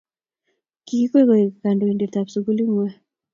kikikwei koeku kantoide ab sukulit ngwag